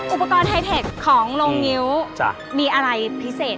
อุปกรณ์ไฮเทคของโรงงิ้วมีอะไรพิเศษ